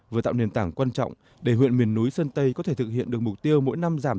vừa tạo nền tảng quan trọng để huyện miền núi sơn tây có thể thực hiện được mục tiêu mỗi năm giảm